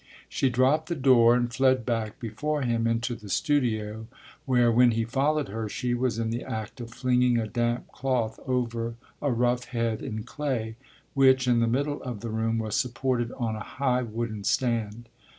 She dropped the door and fled back before him into the studio, where, when he followed her, she was in the act of flinging a damp cloth over a rough head, in clay, which, in the middle of the room, was supported on a high wooden stand.